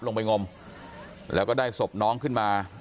ลงไปงมแล้วก็ได้ศพน้องขึ้นมา